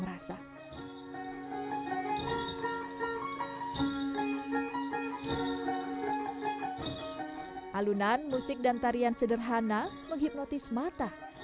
alunan musik dan tarian sederhana menghipnotis mata